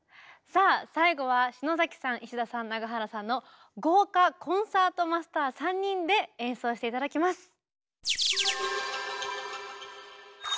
さあ最後は篠崎さん石田さん長原さんの豪華コンサートマスター３人で演奏して頂きます。